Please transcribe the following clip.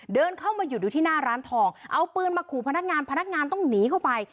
เดินเข้ามาหยุดดูที่หน้าร้านทองเอาปืนมาขู่พนักงานพนักงานต้องหนีเข้าไป